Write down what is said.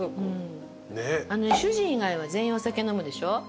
主人以外は全員お酒飲むでしょ。